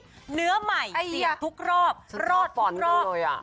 เหนือใหม่เสียทุกครอบรอดทุกครอบ